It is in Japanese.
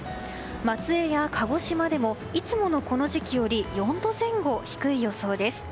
松江や鹿児島でもいつものこの時期より４度前後低い予想です。